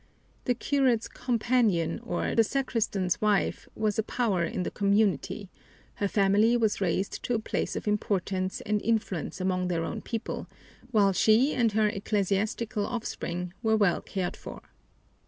The curate's "companion" or the sacristan's wife was a power in the community, her family was raised to a place of importance and influence among their own people, while she and her ecclesiastical offspring were well cared for.